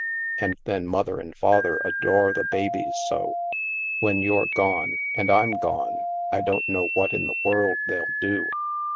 And then Mother and Father adore the babies so. When you're gone, and I'm gone, I don't know what in the world they'll do."